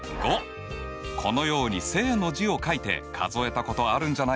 このように「正」の字を書いて数えたことあるんじゃないかな？